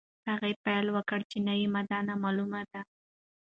هغې پایله وکړه چې نوې ماده نامعلومه ده.